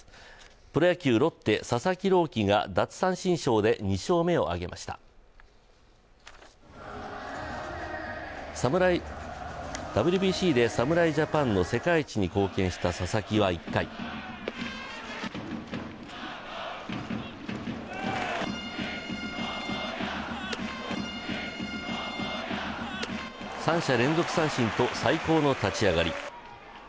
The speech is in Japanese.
プロ野球、ロッテ・佐々木朗希が奪三振ショーで２勝目を挙げましたＷＢＣで侍ジャパンの世界一に貢献した佐々木は１回３者連続三振と最高の立ち上がり。